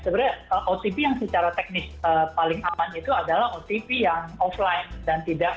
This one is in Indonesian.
sebenarnya otp yang secara teknis paling aman itu adalah otp yang offline dan tidak